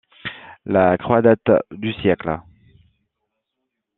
La croix date du siècle.